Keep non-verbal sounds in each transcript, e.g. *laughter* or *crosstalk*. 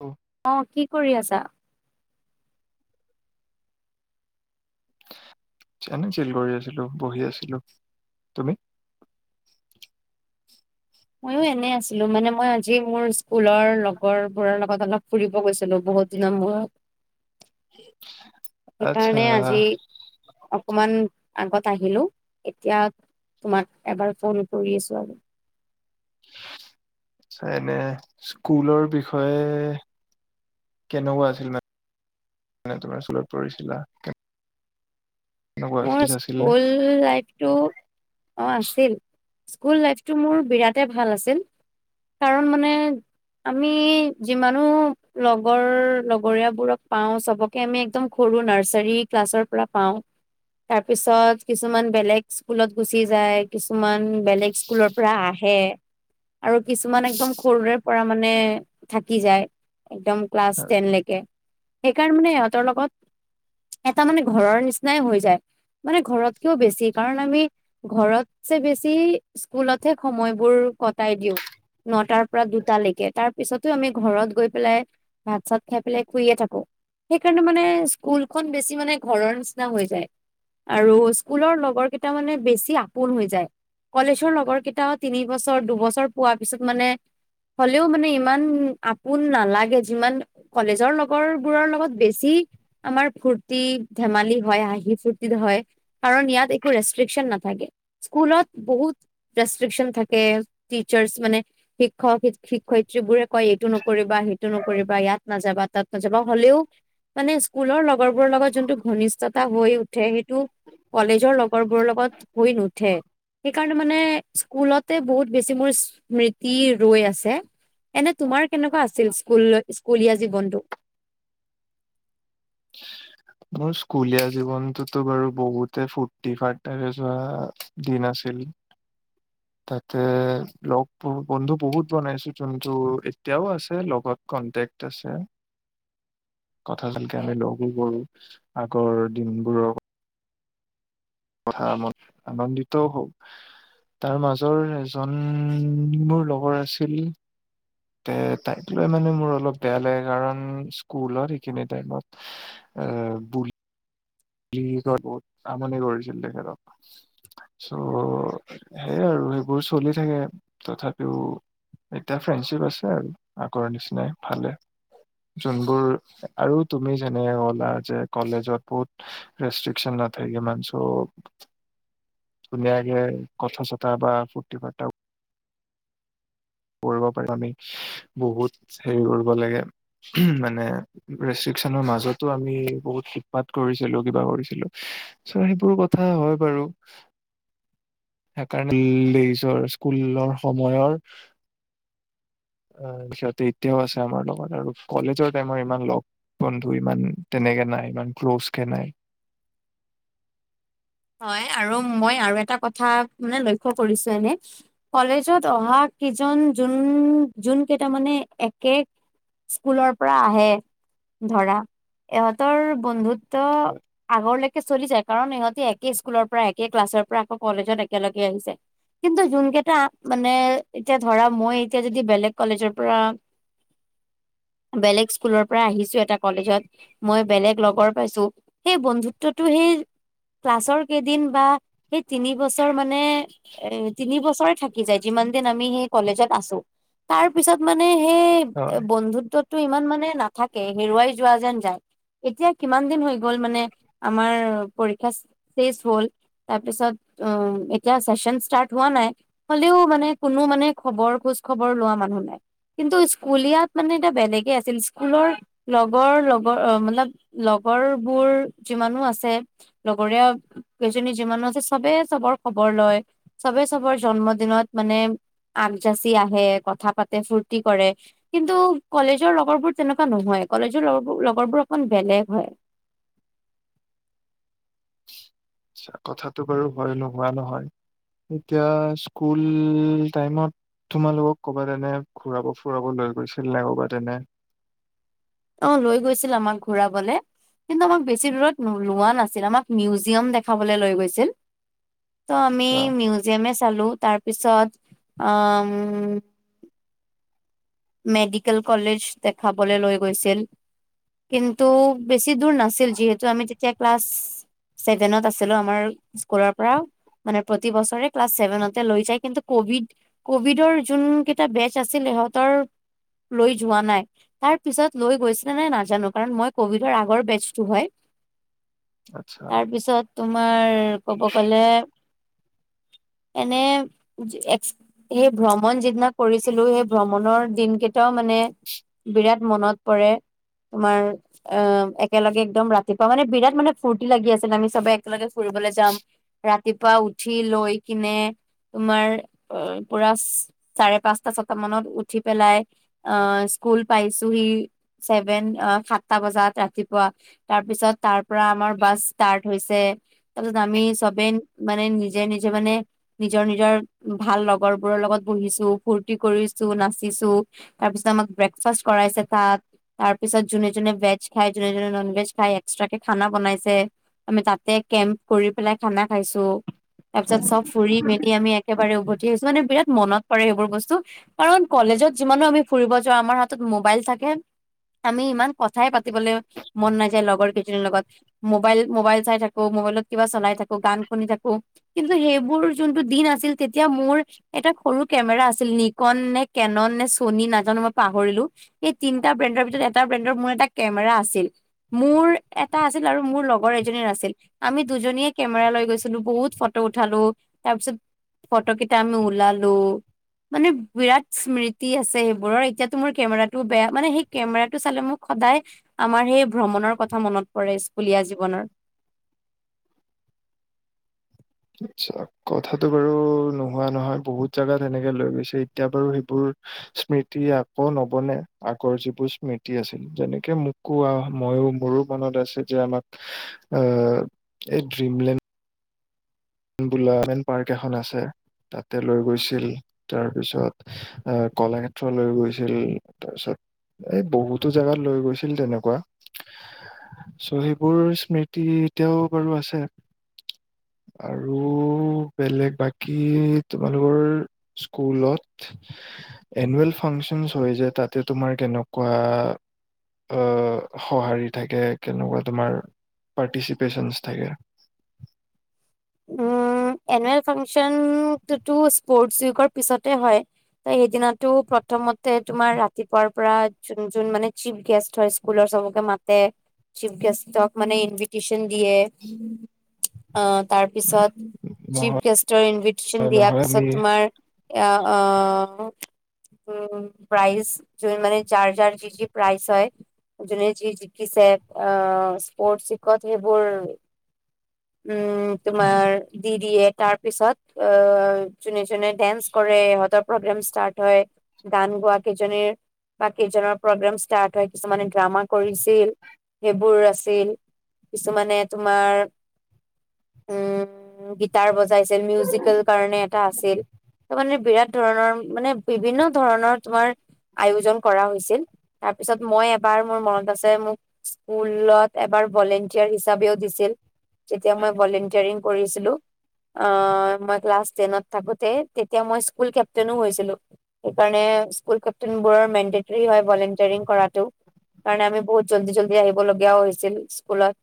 অ। অঁ', কি কৰি আছা? এনে চিল কৰি আছিলো বহি আছিলো তুমি? মইয়ো এনে আছিলো মানে মই আজি মোৰ স্কুলৰ লগৰবোৰৰ লগত অলপ ফুৰিব গৈছিলো বহুত দিনৰ মূৰত। আচ্ছা সেইকাৰণে আজি। অকমান আগত আহিলো এতিয়া তোমাক এবাৰ ফোন কৰি আছো আৰু এনে স্কুলৰ বিষয়ে। কেনেকুৱা আছিল মানে তোমাৰ স্কুলত পৰিছিলা মোৰ নে স্কুল লাইফটো। অঁ আছিল স্কুল লাইফটো মোৰ বিৰাটেই ভাল আছিল। কাৰণ মানে। আমি যিমানো লগৰ লগৰীয় বোৰক পাও চবক ত আমি একদম সৰু নাৰ্চাৰী ক্লাছৰ পৰা পাওঁ। তাৰপিছত কিছুমান বেলেগ স্কুলত গুচি যায় কিছুমান বেলেগ স্কুলৰ পৰা আহে। আৰু কিছুমান একদম সৰুৰে পৰা মানে থাকি যায় একদম ক্লাছ হয়। টেন লেকে সেইকাৰণ মানে সহঁতৰ লগত এটা মানে ঘৰৰ নিচিনাই যাই মানে ঘৰতকেও বেছি কাৰণ আমি ঘৰতছে বেছি স্কুলতহে সময়বোৰ কটাই দিওঁ। নটাৰ পৰা দুটালৈকে তাৰ পিছতো আমি ঘৰত গৈ পেলাই। ভাত চাত খাই পেলাই শুইয়ে থাকো। সেইকাৰণে মানে স্কুলখন বেছি মানে ঘৰৰ নিচিনা হৈ যায়। আৰু স্কুলৰ লগৰ কেইটা মানে বেছি আপোন হৈ যায়। কলেজৰ লগৰ কেইটাও তিন বছৰ দুবছৰ পোৱা পিছত মানে। হ'লেও মানে ইমান আপোন নালাগে যিমান। কলেজৰ লগৰ বোৰৰ লগত বেছি আমাৰ ফুৰ্তি ধেমালি হয় হাঁহি ফূুৰ্তি। হয় কাৰণ ইয়াত একো ৰেষ্ট্ৰিকচন নাথাকে স্কুলত বহুত ৰেষ্ট্ৰিকচন থাকে টিচাৰছ মানে। শিক্ষক শ শিক্ষয়িত্ৰী বোৰে কয় এইটো নকৰিবা সেইটো নকৰিবা ইয়াত নাযাবা তাত নাযাবা হ'লেও। মানে স্কুলৰ লগৰবোৰৰ লগত যোনটো ঘনিষ্ঠতা হৈ উঠে সেইটো। কলেজৰ লগৰবোৰৰ লগত হৈ নুঠে। সেইকাৰণে মানে স্কুলতে বহুত বেছি মোৰ স্মৃতি ৰৈ আছে। এনে তোমাৰ কেনেকুৱা আছিল স্কুললৈ স্কুলীয়া জীৱনটো। মোৰ স্কুলীয়া জীৱনতটোতো বাৰু বহুতে ফূৰ্তি ফাৰ্তা যোৱা দিন আছিল। *unintelligible* তাতে লগ বন্ধু বহুত বনাইছো যোনটো এতিয়াও আছে লগত। কনটেক্ট আছে। *unintelligible* কথা চলকে আমি লগবোৰ কৰোঁ আগৰ দিনবোৰৰ। কথা ম আনন্দিতও হওক। তাৰ মাজৰ এজন মোৰ লগৰ আছিল। তে তাইক লৈ মানে মোৰ অলপ বেয়া লাগে কাৰণ স্কুলত সেইখিনি টাইমত এ বু় কি বহুত আমনি কৰিছিল তেখেতক। চ' সেই আৰু সেইবোৰ চলি থাকে তথাপিও এতিয়া ফ্ৰেণ্ডশ্বিপ আছে আৰু আগৰ নিচিনাই ভালে। যোনবোৰ আৰু তুমি যেনেক কলা যে কলেজত বহুত। ৰেষ্ট্ৰিকশন নাথাই কিমান চপ ধুনীয়াকে কথা চথা বা ফূৰ্তি ফাৰ্তা কৰিব পাৰো আমি বহুত হেৰি কৰিব লাগে মানে ৰেষ্ট্ৰিকচনৰ মাজতো আমি বহুত শিপাত কৰিছিলো কিবা কৰিছিলো চ সেইবোৰ কথা হয় বাৰু সেইকাৰণে লেইচৰ স্কুলৰ সময়ৰ *inaudible* অ সিহঁতে এতিয়াও আছে আমাৰ লগত আৰু কলেজৰ টাইমৰ ইমান লগ বন্ধু ইমান তেনেকে নাই ইমান ক্ল'জ কে নাই হয় আৰু মই আৰু এটা কথা মানে লক্ষ্য কৰিছো এনে কলেজত অহা কিজন যোন যোন কেইটা মানে একে স্কুলৰ পৰা আহে ধৰা ইহঁতৰ বন্ধুত ত আগৰলৈকে চলি যায় কাৰণ ইহঁতি একে স্কুলৰ পৰা একে ক্লাছৰ পৰা আকৌ কলেজত একেলগে আহিছে কিন্তু যোন কেইটা মানে এতিয়া ধৰা মই এতিয়া যদি বেলেগ কলেজৰ পৰা বেলেগ স্কুলৰ পৰা আহিছো এটা কলেজত মই বেলেগ লগৰ পাইছো সেই বন্ধুত্বটো সেই ক্লাছৰ কেইদিন বা সেই তিনবছৰ মানে এ তিনি বছৰে থাকি যায় যিমান দিন আমি সেই কলেজত আছো তাৰ পিছত মানে সেই হয় বন্ধুত্বটো ইমান মানে নাথাকে হেৰুৱাই যোৱা যেন যায় এতিয়া কিমান দিন হৈ গ'ল মানে আমাৰ পৰীক্ষা চেচ হল তাৰপিছত অ এতিয়া চেচন ষ্টাৰ্ট হোৱা নাই হ'লেও মানে কোনো মানে খবৰ খোজ খবৰ লোৱা মানুহ নাই কিন্তু স্কুললিয়াত মানে এতিয়া বেলেগে আছিল স্কুলৰ লগৰ লগৰ অ মাতলাব লগৰবোৰ যিমানো আছে লগৰীয়া কেইজনী যিমানো আছে চবেই চবৰ খবৰ লয় চবে চবৰ জন্মদিনত মানে আগ যাচি আহে কথা পাতে ফূৰ্তি কৰে কিন্তু কলেজৰ লগৰবোৰ তেনেকুৱা নহয় কলেজৰ লগবোৰ লগৰবোৰ অকন বেলেগ হয় কথাটো বাৰু হয় নোহোৱা নহয় এতিয়া স্কুল টাইমত তোমালোকক ক'বাত এনে ঘুৰাব ফুৰাব লৈ গৈছিল নে ক'বাত এনে অ লৈ গৈছিল আমাক ঘূৰাবলে কিন্তু আমাক বেছি দূৰত লোৱা নাছিল আমাক মিউজিয়াম দেখাবলে লৈ গৈছিল ত' আমি আচ্ছা মিউজিয়ামে চালো তাৰপিছত অ উম মেডিকেল কলেজ দেখাবলৈ লৈ গৈছিল কিন্তু বেছি দূৰ নাছিল যিহেতু আমি তেতিয়া ক্লাছ ছেভেনত আছিলো আমাৰ স্কুলৰ পৰা মানে প্ৰতি বছৰে ক্লাছ ছেভেনতে লৈ যায় কিন্তু কভিড কভিডৰ যোন কেইটা বেচ আছিল ইহঁতৰ লৈ যোৱা নাই তাৰ পিছত লৈ গৈছিলে নাই নাজানো কাৰণ মই কভিডৰ আগৰ বেজটো হয় আচ্ছা তাৰপিছত তোমাৰ কব গ'লে এনে, এক্স সেই ভ্ৰমণ যিদিনা কৰিছিলো, সেই ভ্ৰমণৰ দিন কেইটাও মানে বিৰাট মনত পৰে তোমাৰ অঁ, একেলগে একদম ৰাতিপুৱা মানে বিৰাট মানে ফূুৰ্তি লাগি আছিল আমি সবে একেলগে ফুৰিবলৈ যাম। ৰাতিপুৱা উঠি লৈ কিনে- তোমাৰ অ, পুৰা চাৰে, পাঁচটা ছটা মানত উঠি- পেলাই অঁ, স্কুল পাইছোহি। ছেভেন অঁ, সাতটা বজাত ৰাতিপুৱা। তাৰপিছত তাৰ পৰা আমাৰ বাছ ষ্টাৰ্ট হৈছে। তাপিছত আমি চবে মানে নিজে, নিজে মানে- নিজৰ, নিজৰ ভাল লগৰ বোৰৰ লগত বহিছো, ফূুৰ্তি কৰিছো, নাচ- চিছো, তাৰপিছত আমাক ব্ৰেকফাষ্ট কৰাইছে তাত। তাৰ পিছত যোনে, যোনে ভেজ খাই, যোনে, যোনে নন ভেজ খাই, এক্সট্ৰাকে খানা বনাইছে। আমি তাতে কেম্প কৰি পেলাই খানা খাইছো। তাপিছত চব ফুৰি মেলি আমি একেবাৰে উভতি আহিছো মানে বিৰাট মনত পৰে সেইবোৰ বস্তু কাৰণ- কলেজত যিমানো আমি ফুৰিব যাওঁ, আমাৰ হাতত মোবাইল থাকে। আমি ইমান কথাই পাতিবলৈ মন নাযায় লগৰ কেই- জনী লগত মোবাইল মোবাইল চাই থাকো, মোবাইলত কিবা চলাই থাকো, গান শুনি থাকো। কিন্তু সেইবোৰ যোনটো দিন আছিল তেতিয়া মোৰ এটা সৰু কেমেৰা আছিল নিকন নেক- কেনন নে, চনী নাজানো মই পাহৰিলো। এই তিনিটা ব্ৰেণ্ডৰ ভিতৰত এটা ব্ৰেণ্ডৰ মূৰ এটা কেমেৰা আছিল। মোৰ এটা আছিল আৰু মোৰ লগৰ এজনীৰ আছিল। আমি দুজনীয়ে কেমেৰা লৈ গৈছিলো বহুত ফটো উঠালো তাৰপিছত- ফটো কেইটা আমি ওলালো মানে বিৰাট- স্মৃতি আছে সেইবোৰৰ এতিয়াতো মোৰ কেমেৰাটো বেয়া মানে সেই কেমেৰাটো চালে মোক সদায়- আমাৰ সেই ভ্ৰমণৰ কথা মনত পৰে স্কুলীয়া জীৱনৰ। আটছা কথাটো বাৰু নোহোৱা নহয়, বহুত জাগাত সেনেকে লৈ গৈছে এতিয়া টো সেইবোৰ- স্মৃতি আকৌ নবনে, আগৰ যিবোৰ স্মৃতি আছিল। যেনেকে মোক- কোৱা ময়ো, মোৰো মনত আছে যে আমাক আহ, এই ড্ৰিমলেণ্ড- বোলামেন পাৰ্ক এখন আছে তাতে লৈ গৈছিল। তাৰ পিছত আহ, কলাক্ষেত্ৰ লৈ গৈছিল তাৰপিছত, - এই বহুতো জেগাত লৈ গৈছিল তেনেকুৱা। চৌ সেইবোৰ স্মৃতি এতিয়াও বাৰু আছে। আৰু- ও বেলেগ বাকী তোমালোকৰ স্কুলত- এনুৱেল ফাংচনচ হয় যে তাতে তোমাৰ কেনকুৱা- আহ সঁহাৰি থাকে, কেনেকুৱা তোমাৰ পাৰ্টিচিপেচনছ থাকে। উম, এনুৱেল ফাংচনটোটো স্পৰ্টচ উইকৰ পিছতে হয়। ত, সেইদিনাটো প্ৰথমতে তোমাৰ ৰাত- তিপুৱাৰ পৰা যোন মানে চিফ গেষ্ট হয় স্কুলৰ চবকে মাতে। চিফ গেষ্টক মানে ইনভিটচন দিয়ে, অঁ'। পিছত চিফ নহয় গেষ্টৰ ইনভিটিশচন দিয়াৰ নহয় আমি পিছত তোমাৰ- এঁ, অঁ'। উম' প্ৰাইচ য মানে যাৰ, যাৰ যি, যি প্ৰাইচ হয়- যোনে যি জিকিছে অঁ স্পৰ্ট উইকত সেইবোৰ- উম' তোমাৰ দি দিয়ে তাৰ পিছত অ, যোনে, যোনে দেন্স কৰে ইহঁতৰ প্ৰগ্ৰেম ষ্টাৰ্ট- হয়, গান গোৱা কেইজনীৰ- বাকি কেইজনৰ গ্ৰেম ষ্টাৰ্ট হয়, কিছুমানে ড্ৰামা কৰিছিল। সেইবোৰ আছিল। কিছুমানে তোমাৰ,,, উমঁ গিটাৰ বজাইছিল মিউজিকেল কাৰণে এটা আছিল তাৰ মানে বিৰাট,,, ধৰণৰ মানে বিভিন্ন ধৰণৰ তোমাৰ আয়োজন কৰা হৈছিল। তাৰপিছত মই এবাৰ মোৰ মনত আছে মোক। স্কুলত এবাৰ ভলেণ্টিয়াৰ হিচাপেও দিছিল যেতিয়া মই,,, ভলেণ্টিয়াৰিং কৰিছিলোঁ। অঁ মই ক্লাছ টেনত থাকোঁতে তেতিয়া মই স্কুল কেপ্টেইনো হৈছিলোঁ। সেইকাৰণে স্কুল কেপ্টেইনবোৰৰ মেণ্টেইনটেৰী হয় ভলেণ্টাৰিং কৰাটো। কাৰণে আমি বহুত জল্ডি জল্ডি আহিব লগীয়া হৈছিল স্কুলত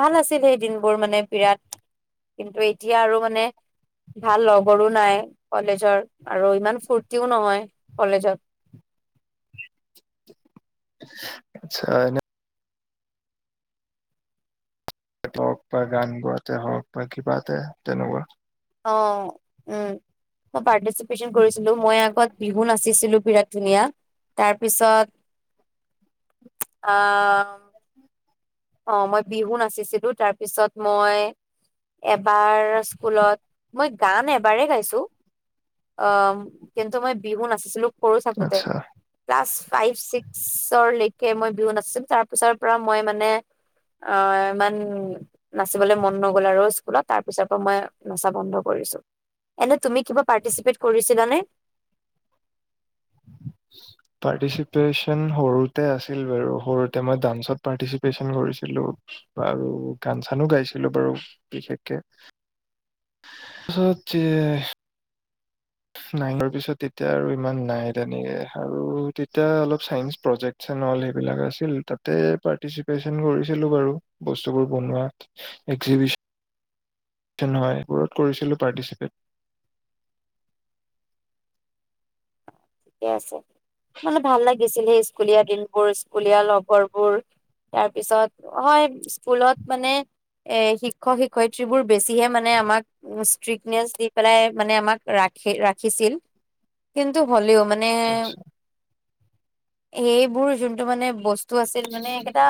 ভাল আছিল সেই দিনবোৰ মানে,,,, বিৰাট কিন্তু এতিয়া আৰু মানে,,, ভাল লগৰো নাই কলেজৰ আৰু ইমান ফূৰ্তিও নহয় কলেজত। চাইনা টোক বা গান গোৱাতে হওঁক বা কিবাতে হওঁক তেনেকুৱা। অঁ উমঁ। মই বাদদে পাৰ্টিচিপেশ্বন কৰিছিলোঁ মই আগত বিহু নাচিছিলোঁ বিৰাট ধুনীয়া। তাৰপিছত আ আ অঁ মই বিহু নাচিছিলোঁ তাৰপিছত মই-‌‍‌- এবাৰ স্কুলত মই গান এবাৰে গাইছোঁ। অঁ কিন্তু মই বিহু নাচিছিলোঁ সৰু থাকোঁতে। আচ্ছা ক্লাছ ফাইভ ছিক্সৰলৈকে মই বিহু নাচিছিলোঁ তাৰপিছৰ পৰা মই মানে অঁ ইমান নাচিবলৈ মন নগ'ল আৰু স্কুলত তাৰ পিছৰ পৰা মই নাচা বন্ধ কৰিছোঁ। এনে তুমি কিবা পাৰ্টিচিপেট কৰিছিলা নে? চূচচ পাৰ্টিচিপেশ্বন সৰুতে আছিল বাৰু সৰুতে মই ডান্সত পাৰ্টিচিপেশ্বন কৰিছিলোঁ। বাৰু গান চানো গাইছিলোঁ বাৰু বিশেষকে। হাউ তে *inaudible* নাইনৰ পিছত তেতিয়া আৰু ইমান নাই তেনেকে আৰু তেতিয়া অলপ চাইঞ্চ প্ৰজেক্ট ইচ্ছা নহ'ল সেইবিলাক আছিল তাতে পাৰ্টিচিপেশ্বন কৰিছিলোঁ বাৰু বস্তুবোৰ বনোৱাত। এক্সিভিশ তেনেকোৱা এইবোৰত কৰিছিলোঁ পাৰ্টিচিপেট। ঠিকে আছে মানে ভাল লাগিছিল সেই স্কুলীয়া দিনবোৰ স্কুলীয়া লগৰবোৰ। তাৰপিছত হয় স্কুলত মানে এ শিক্ষক শিক্ষয়িত্ৰীবোৰ বেছিহে মানে আমাক ষ্ট্ৰিকনেচ দি পেলাই মানে আমাক ৰাখি ৰাখিছিল কিন্তু হ'লেও মানে আচ্ছা, সেইবোৰ যোনটো মানে বস্তু যিটো আছিল মানে একেটা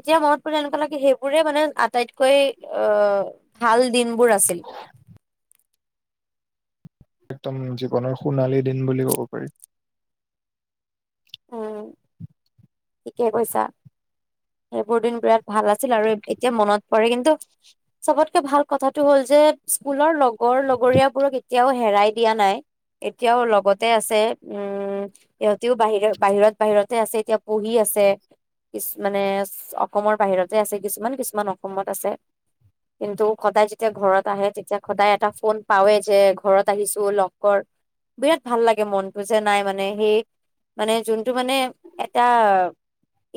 এতিয়া মনত পৰি এনেকুৱা লাগে সেইবোৰে মানে আটাইতকৈ অঁ ভাল দিনবোৰ আছিল। একদম জীৱনৰ সোণালী দিন বুলি ক'ব পাৰি। উমঁ ঠিকে কৈছা। সেইবোৰ দিন বিৰাট ভাল আছিল আৰু এতিয়া মনত পৰে কিন্তু চবতকে ভাল কথাটো হ'ল যে স্কুলৰ লগৰ লগৰীয়াবোৰক এতিয়াও হেৰাই দিয়া নাই এতিয়াও লগতে আছে উম সিহঁতেও বাহিৰত বাহিৰত বাহিৰতে আছে এতিয়া পঢ়ি আছে। কিছু মানে অসমৰ বাহিৰতে আছে কিছুমান কিছুমান অসমত আছে। কিন্তু সদায় যেতিয়া ঘৰত আহে তেতিয়া সদায় এটা ফোন পাৱওে যে ঘৰত আহিছোঁ লগ কৰ। বিৰাট ভাল লাগে মনটো যে নাই মানে সেই মানে যোনটো মানে এটা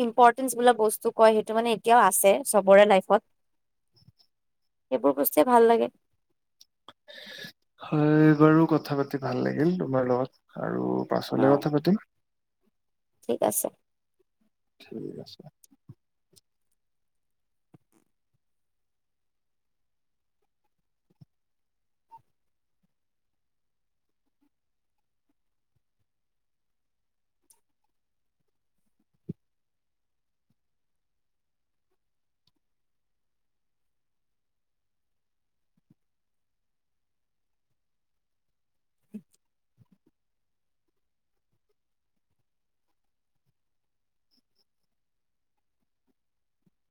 ইম্পট বস্তু কয় সেইটো মানে এতিয়াও আছে চবৰে লাইফত সেইবোৰ বস্তুৱে ভাল লাগে হয় বাৰু কথা পাতি ভাল লাগিল তোমাৰ লগত আৰু অ পাছলে কথা পাতিম ঠিক আছে ঠিক আছে